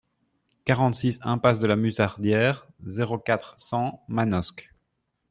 quarante-six impasse de la Musardière, zéro quatre, cent, Manosque